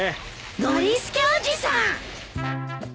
ノリスケおじさん！